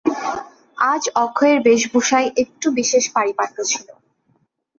আজ অক্ষয়ের বেশভূষায় একটু বিশেষ পারিপাট্য ছিল।